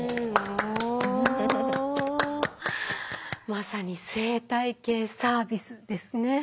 まさに生態系サービスですね。